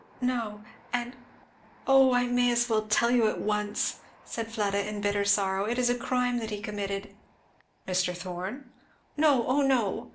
"No and O I may as well tell you at once?" said Fleda in bitter sorrow, "it is a crime that he committed " "Mr. Thorn?" "No oh no!"